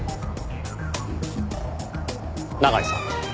永井さん